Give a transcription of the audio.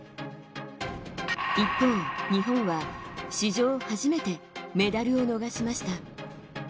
一方、日本は史上初めてメダルを逃しました。